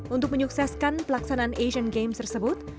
untuk menyukseskan pelaksanaan asian games tersebut